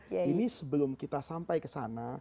ini sebelum kita sampai kesana